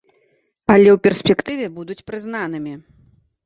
Але ў перспектыве будуць прызнанымі.